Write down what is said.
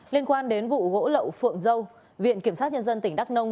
liên quan đến vụ gỗ lậu phượng dâu viện kiểm sát nhân dân tỉnh đắk nông